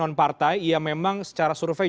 non partai ya memang secara survei